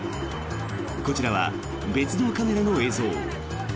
こちらは別のカメラの映像。